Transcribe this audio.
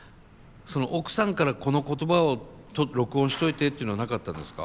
奥さんからこの言葉を録音しといてっていうのはなかったですか？